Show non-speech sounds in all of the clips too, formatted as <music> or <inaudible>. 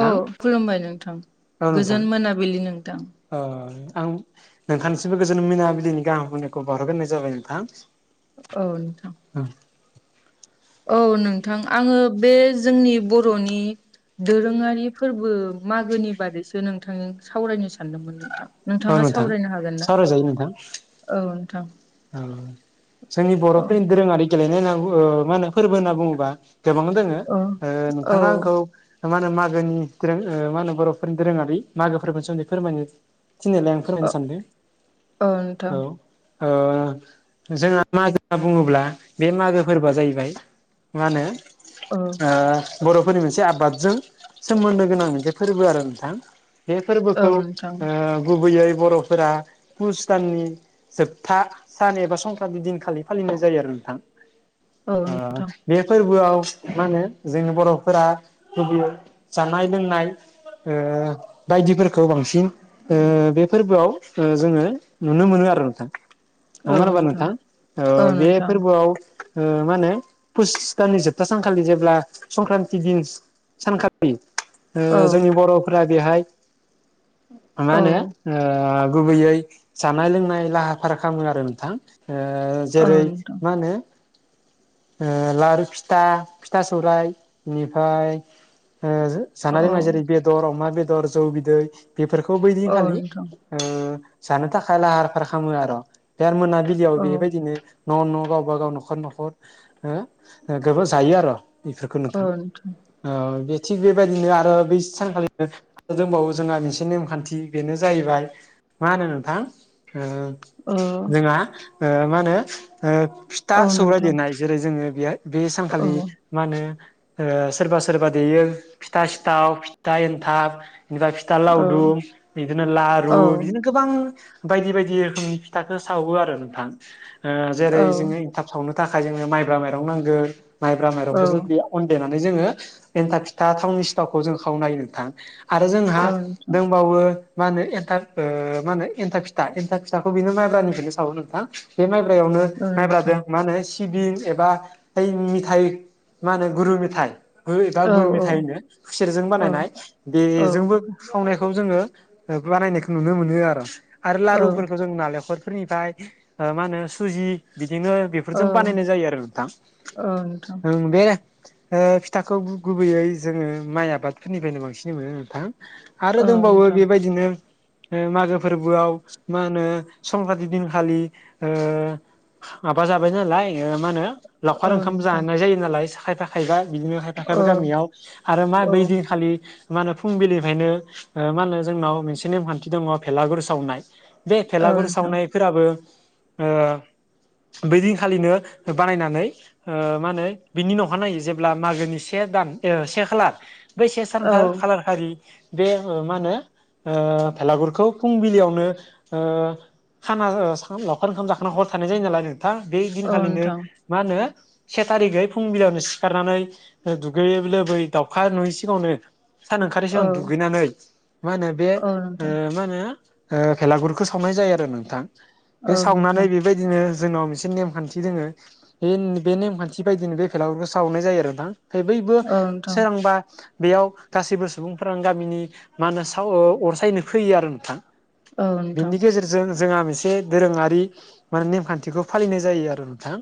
औ खुलुमबाय नोंथां गोजोन मोनाबिलि नोंथां। अ आं नोंथांनिसिमबो गोजोन मिनाबिलिनि गाहाम हामनायखौ बावहरग्रोनाय जाबाय नोंथां। औ नोंथां। <unintelligible> औ नोंथां आङो बे जोंनि बर'नि दोरोङारि फोरबो मागोनि बादैसो नोंथांजों सावरायनो सानदोंमोन नोंथां। औ नोंथाङा नोंथां सावरायनो हागोन ना सावरायजायो नोंथां औ नोंथां। जोंनि औ बर'फोरनि दोरोङारि गेलेनाय होनना मा होनो फोरबो होनना बुङोबा गोबां दोङो औ औ नोंथाङा आंखौ मा होनो मागोनि दोरों ओ मा होनो बर'फोरनि दोरोङारि मागो फोर्बोनि सोमोन्दै फोरमायनो थिननायलाय आं फोरमायनो सानदों औ नोंथां औ। ओ जोंहा मागो होनना बुङोब्ला बे मागो फोरबोआ जाहैबाय मा होनो औ ओ बर'फोरनि मोनसे आबादजों सोमोन्दो गोनां मोनसे फोरबो आरो नोंथां। बे औ फोरबोखौ नोंथां गुबैयै बर'फोरा पुस दाननि था सान एबा संक्रान्ति दिनखालि फालिनाय जायो आरो नोंथां। औ ओ नोंथां बे फोरबोआव मा होनो जोंनि बर'फोरा गुबैयै जानाय लोंनाय ओ बायदिफोरखौ बांसिन ओ बे फोरबोआव जोङो नुनो मोनो आरो नोंथां। नङा होनोबा नोंथां ओ औ बे नोंथां फोरबोआव ओ मा होनो पुस दाननि जोबथा सानखालि जेब्ला संक्रान्ति दिन सानखालि ओ औ जोंनि बर'फोरा बेहाय मा औ होनो ओ गुबैयै जानाय लोंनाय लाहा फाहार खालामो आरो नोंथां औ जेरै नोंथां मा होनो ओ लारु फिथा फिथा सौराय बेनिफ्राय जानाय औ लोंनाय जेरै बेदर अमा बेदर जौ बिदै बेफोरखौ बैदिन औ खालि नोंथां ओ जानो थाखाय लाहार फाहार खालामो आरो बे मोनाबिलियाव औ बेबायदिनो न' न' गावबा गाव न'खर न'खर हो गोबां जायो आरो इफोरखौ नोंथां। औ बे थिग बेबायदिनो आरो बै सानखालिनो आरो दंबावो जोंहा मोनसे नेमखान्थि बेनो जाहैबाय मा होनो नोंथां ओ औ जोंहा मा होनो औ फिथा सौराय नोंथां देरनाय जेरै जोङो बेहाय बे औ सानखालि मा होनो सोरबा सोरबा देयो फिथा सिथाव फिथा एन्थाब <inaudible> फिथा लावदुम बिदिनो लारु औ बिदिनो- गोबां बायदि बायदि रोखोमनि फिथाखौ सावो आरो नोंथां औ जेरै जोङो एनथाब सावनो थाखाय जोङो माइब्रा माइरं नांगो माइब्रा औ माइरंखौ जुदि अन देनानै जोङो एन्थाब फिथा थावनि सिथावखौ जों खावनोयो नोंथां। आरो जोंहा नोंथां दंबावो मा होनो एन्थाब मा होनो एन्थाब फिथा एन्था फिथाखौ बेनो माइबनिफ्रायनो सावो नोंथां। बे माइब्रायावनो औ नोंथां माइब्रादों मा होनो सिबिं एबा मिथाइ मा होनो गुरु मथाइ हो एबा औ गुर मेथाइनो खुसेरजों औ बानायनाय औ बेजोंबो सावनायखौ जोङो बानायनायखौ नुनो मोनो आरो। आरो औ लारुफोरखौ जों नालेंखरफोरनिफ्राय मा होनो सुजि बिदिनो बे जों बानायनाय जायो आरो नोंथां औ नोंथां ओं बे ओ फिथाखौ गुबैयै जोङो माइ आबादफोरनिफ्रायनो बांसिनै मोनो नोंथां। आरो औ दंबावो नोंथां बेबायदिनो मागो फोरबोआव मा होनो संक्रान्ति दिनखालि ओ माबा जाबाय नालाय मा होनो औ लावखार ओंखाम नोंथां जानाय जायो नालाय सा खायफा थायबा बिदिनोहाय औ थाखाबा गामियाव आरो मा औ बै दिनखालि मा होनो फुंबिलिनिफ्रायनो मा होनो जोंनाव मोनसे नेमखान्थि दङ भेलागुर सावनाय। बे औ भेलागुर नोंथां सावनायफोराबो बै दिनखालिनो बानायनानै ओ मा होनो बिनि न'खा नायो जेब्ला मागोनि से दान से खालार बै से औ सानखा खालार हारि बे मा होनो बेलागुरखौ फुंबिलियावनो ओ खाना ओ सा लावखार ओंखाम जाखांना हर थानाय जायो नालाय नोंथां बे औ दिनखालिनो नोंथां मा होनो से थारिखै फुं बिलयावनो सिखारनानै दुगैयोय लोबै दाउखा नुहैसिगावनो सान ओंखारोसै आं औ दुगैनानै मा होनो बे औ ओ नोंथां मा होनो ओ बेलागुरखौ सावनाय जायो आरो नोंथां बे औ सावनानै नोंथां बेबायदिनो जोंनाव मोनसे नेमखान्थि दोङो बे बे नेमखान्थि बायदिनो बे फेलाफोरखौ सावनाय जायो आरो नोंथां फाय बयबो औ नोंथां औ सोरांबा बेयाव गासैबो सुबुंफ्रानो गामिनि मा होनो साव अरसायनो फैयो आरो नोंथां। बेनि गेजेरजों जोंहा मोनसे दोरोङारि माने नेमखान्थिखौ फालिनाय जायो आरो नोंथां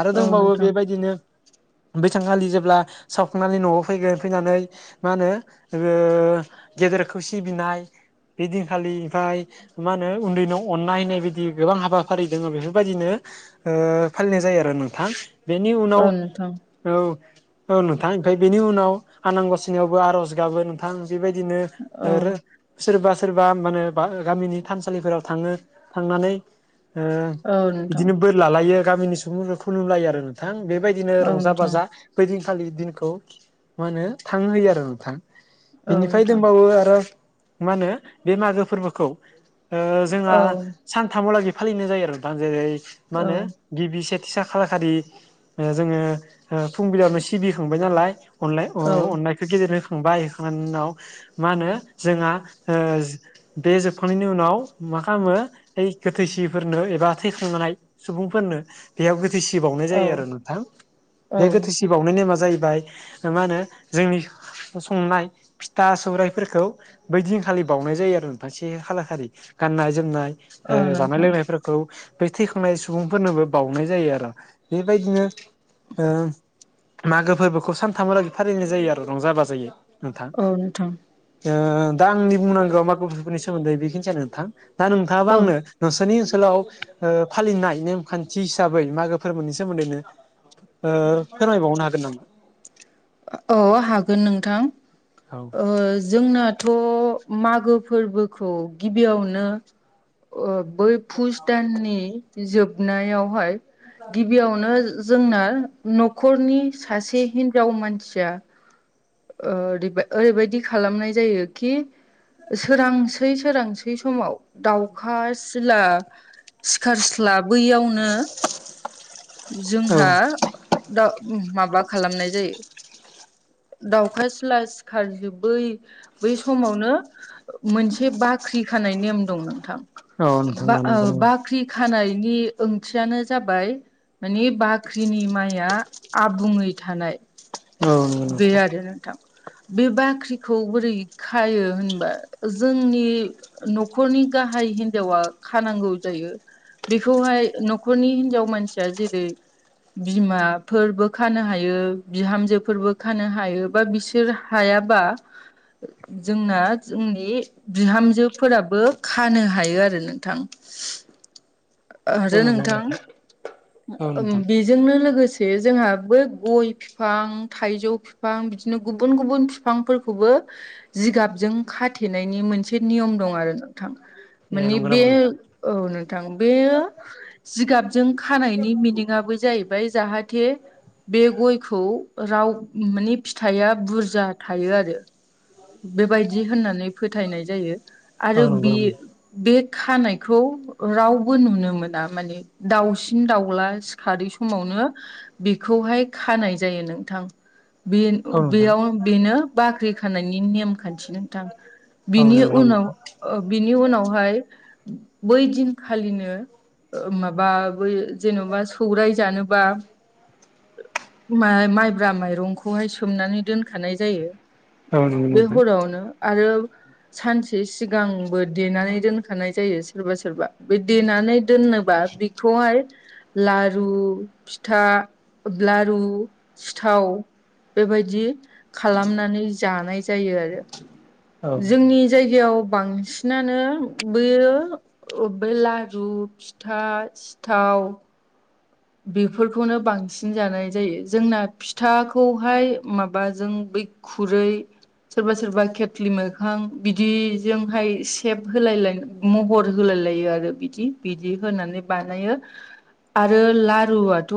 आरो नोंथां औ दंबावो नोंथां औ नोंथां बेबायदिनो बेथांखालि जेब्ला सावखांनानै न'आव फैगोन फैनानै मा होनो ओ गेदेरखौ सिबिनाय बे दिनखालि ओमफ्राय मा होनो उन्दैनाव अननाय होननाय बायदि गोबां हाबाफारि दङ बेफोरबायदिनो ओ फालिनाय जायो आरो नोंथां बेनि उनाव औ औ नोंथां ओमफ्राय बेनि उनाव आनांगसनियावबो आर'ज गाबो नोंथां बेबायदिनो औ आरो सोरबा सोरबा माने बा गामिनि थानसालिफोराव थाङो थांनानै औ नोंथां बिदिनो बोर लालायो गामिनि सुबुं खुलुमलायो आरो नोंथां बेबायदिनो औ नोंथां औ रंजा नोंथां बाजा बैदिनखालि दिनखौ मा होनो थां होयो आरो नोंथां बेनिफ्राय दंबावो आरो मा होनो बे मागो फोरबोखौ ओ औ जोंहा औ सानथामहालागै फालिनाय जायो आरो नोंथां जेरै मा होनो गिबि सेथिसा खालारखालि जोङो ओ फुंबिलायावनो सिबिखांबाय नालाय अनलाय अ अननायखौ गेदिररोखोम बायैखांनायनि उनाव मा होनो जोंहा ओ बे जोबखांनायनि उनाव मा खालामो ओय गोथैसिफोरनो एबा थैखांनाय सुबुंफोरनो बेयाव गोथै सि बावनाय औ जायो आरो नोंथां औ बे औ गोथै सि बावनाय नेमा जाहैबाय जों मा होनो जोंनि संनाय फिथा सौराइफोरखौ बै दिनखालि बावनाय जायो आरो नोंथां से खालार खालि गाननाय जोमनाय औ ओ जानाय नोंथां लोंनायफोरखौ बे थि बुंनाय सुबुंफोरनोबो बावउनाय जायो आरो बेबायदिनो मागो फोरबोखौ सानथामहालागै फालिनाय जायो आरो रंजाबा जायोय। नोंथां औ नोंथां ओ दा आंनि बुंनांगौआ मागो बिथफोरनि सोमोन्दै बेखिनियानो नोंथां। दा नोंथाङाबा औ आंनो नोंसोरनि ओनसोलाव ओ फालिनाय नेमखान्थि हिसाबै मागो फोरबोनि सोमोन्दैनो ओ फोरमायबावनो हागोन नामा? औ हागोन नोंथां। औ ओ जोंनाथ' मागो फोरबोखौ गिबियावनो ओ बै फुस दाननि जोबनायावहाय गिबियावनो जो जोंना न'खरनि सासे हिन्जाव मानसिया ओ ओरैबायदि खालामनाय जायोखि सोरांसै सोरांसै समाव दाउखा सिला सिखारस्लाबैयावनो औ जोंहा दा माबा खालामनाय जायो दाउखा सिला सिखारजोब बै बै समावनो मोनसे बाख्रि खानाय नेम दं नोंथां औ नोंथां बा औ नंगौ ओ नंगौ बाख्रि खानायनि ओंथियानो जाबाय माने बाख्रिनि माइआ आबुङै थानाय औ नंगौ बे नोंथां आरो नोंथां। बे बाख्रिखौ बोरै खायो होनबा जोंनि न'खरनि गाहाय हिन्जावा खानांगौ जायो। बेखौहाय न'खरनि हिनजाव मानसिया जेरै बिमाफोरबो खानो हायो बिहामजो फोरबो खानो हायो बा बिसोर हायाबा जोंना जोंनि बिहामजोफोराबो खानो हायो आरो नोंथां। ओ औ जो नंगौ नोंथां औ नोंथां बेजोंनो लोगोसे जोंहा बै गय फिफां थाइजौ फिफां बिदिनो गुबुन गुबुन फिफांफोरखौबो जिगाबजों खाथेनायनि मोनसे नियम दं आरो नोंथां। ए माने नंगौ बे नामा नोंथां औ नोंथां बेयो जिगाबजों खानायनि मिनिंआबो जाहैबाय जाहाथे बे गयखौ राव माने फिथाइया बुरजा थायो आरो। बेबायदि होननानै फोथायनाय जायो औ आरो नंगौ बे नामा बे खानायखौ राव बो नुनो मोना माने दाउसिन दाउला सिखारै समावनो बेखौहाय खानाय जायो नोंथां। बे औ नोंथां बेयाव बेनो बाख्रि खानायनि नेमखान्थि नोंथां। औ बिनि नंगौ नाम। उनाव ओ बिनि उनावहाय बै दिनखालिनो माबा बै जेन'बा सौराय जानोबा माइ माइब्रा माइरंखौहाय सोमनानै दोनखानाय जायो। औ नंगौ बे नोंथां हरावनो आरो सानसे सिगांबो देनानै दोनखानाय जायो सोरबा सोरबा बे देनानै दोननोबा बिखौहाय लारु फिथा, लारु सिथाव बेबायदि खालामनानै जानाय जायो आरो औ नोंथां जोंनि जायगायाव बांसिनानो बयो अबे लारु फिथा सिथाव बेफोरखौनो बांसिन जानाय जायो जोंना फिथाखौहाय माबाजों बे खुरै सोरबा सोरबा खेथ्लि मोखां बिदिजोंहाय सेब होलाय लायनो महर होलाय लायो आरो बिदि बिदि होनानै बानायो आरो लारुआथ'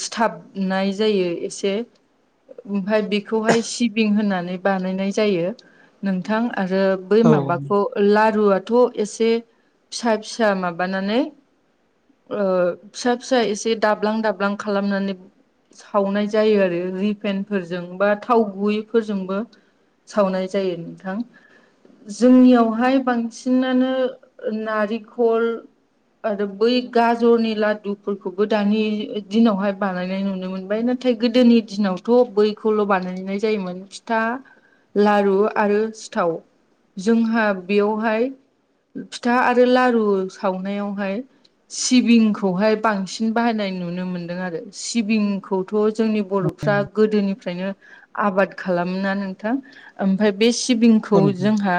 सिथाबनाय जायो एसे ओमफफ्राय बेखौहाय सिबिं होननानै बानायनाय जायो नोंथां आरो बै औ माबाखौ लारुआथ' एसे फिसा फिसा माबानानै ओ फिसा फिसा एसे दाब्लां दाब्लां खालामनानै सावनाय जायो आरो रिपेनफोरजों बा थाव गुबैफोरजोंबो सावनाय जायो नोंथां। जोंनियावहाय बांसिनानो ओ नारेंखल आरो बै गाजरनि लाद दुफोरखौबो दानि दिनावहाय बानायनाय नुनो मोनबाय नाथाय गोदोनि दिनाव थ' बैखौल' बानायनाय जायोमोन फिथा लारु आरो सिथाव। जोंहा बेयावहाय फिथा आरो लारु सावनायावहाय सिबिं खौहाय बांसिन बाहायनाय नुनो मोन्दों आरो सिबिंखौथ' जोंनि बर' फ्रा गोदोनिफ्रायनो आबाद खालामा नोंथां ओमफ्राय बे सिबिं औ नोंथां औ नंगौ नोंथां औ नोंथां औ जोंहा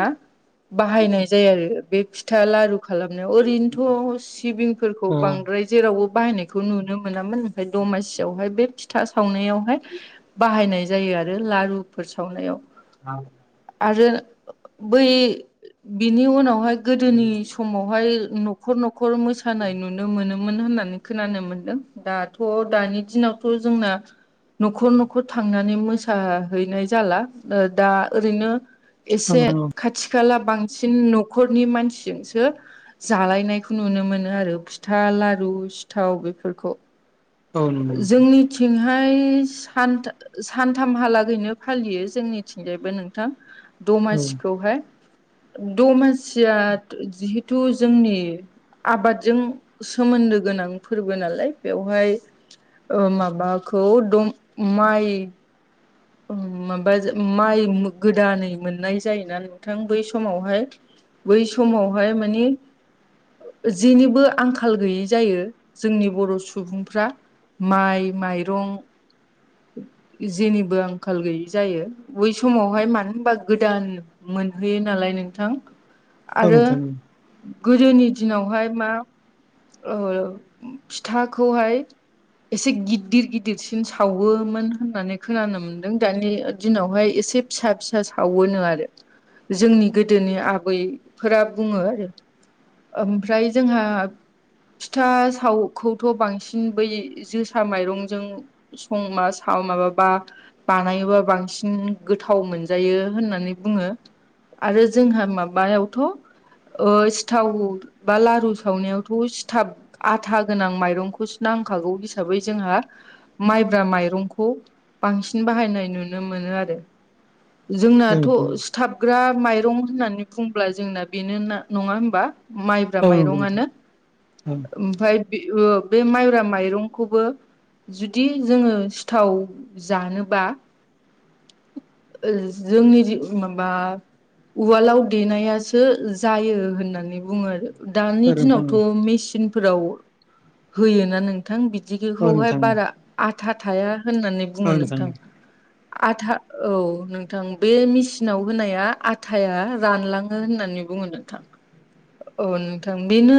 बाहायनाय जायो आरो बे फिथा लारु खालामनायाव ओरैनोथ' सिबिंफोरखौ बां ओमफ्राय जेरावबो बाहायनायखौ नुनो मोनामोन ओमफ्राय दमासियावहाय बे फिथा सावनायावहाय बाहायनाय जायो आरो लारुफोर सावनायाव औ आरो बै बिनि उनावहाय गोदोनि समावहाय न'खर न'खर मोसानाय नुनो मोनोमोन। मोन होननानै खोनानो मोनदों दाथ' दानि दिनावथ' जोंना न'खर न'खर थांनानै मोसाहैनाय जाला दा ओरैनो एसे नोंथां खाथि खाला बांसिन न'खरनि मानसिजोंसो जालायनायखौ नुनो मोनो आरो फिथा ला रु सिथाव बेफोरखौ औ नंगौ नोंथां औ नोंथां औ नोंथां औ जोंनिथिंहाय सानथामहालागैनो फालियो जोंनिथिंजायबो नोंथां। नोंथां दमासिखौहाय दमासिया जिहेथु जोंनि आबादजों सोमोन्दो गोनां फोरबो नालाय बेवहाय ओ माबाखौ दम माइ माबा माइ गोदानै मोननाय जायोना नोंथां बै समावहाय बै समावहाय माने जेनिबो आंखाल गैयि जायो जोंनि बर' सुबुंफ्रा माइ माइरं जेनिबो आं आंखाल गैयि जायो बै समावहाय मानो होनबा गोदान मोनहैयो नालाय नोंथां आरो गोदोनि दिनावहाय मा ओ फिथाखौहाय एसे गिदिर गिदिरसिन सावोमोन होननानै खोनानो मोन नों दानि दिनावहाय एसे फिसा फिसा सावोनो आरो जोंनि गोदोनि आबैफोरा बुङो आरो ओमफ्राय जोंहा फिथा सावखौथ' बांसिन बै जोसा माइरंजों संबा साव माबाबा बानायोबा बांसिन गोथाव मोनजायो होननानै बुङो। आरो जोंहा माबायावथ' ओ सिथाव बा लारु सावनायावथ' सिथाब आथा गोनां माइरंखौसो नांखागौ हिसाबै जोंहा माइब्रा माइरंखौ बांसिन बाहायनाय नुनो मोनो आरो जोंनाथ' थाबग्रा माइरं होननानै बुंब्ला जोंना बेनो ना नङा होमबा? माइब्रा माइरङानो ओमफ्राय बे ओ बे माइब्रा माइरंखौबो जुदि जोङो सिथाव जानो बा ओ जोंनि जि माबा उवालाव देनायासो जायो होननानै बुङो आरो दानि दिनावथ' मेचिनफोराव होयोना नों नोंथां बिदिखौहाय बारा आथा थाया होननानै बुङो नोंथां। आथा औ नोंथां बे मिसिनाव होनाया आथाया रानलाङो होननानै बुङो। नोंथां औ नोंथां बेनो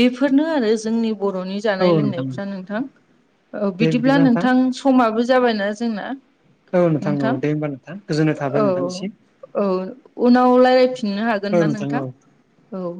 बेफोरनो आरो जोंनि बर'नि जानाय औ नोंथां लोंनायफ्रा नोंथां औ बिदिब्ला नोंथां समाबो जाबायना जोंना? औ नोंथां औ दे होमबा नोंथां गोजोन्नाय औ थाबाय नोंथांनिसिम। औ उनाव रायलायफिननो हागोन औ ना नोंथां औ औ।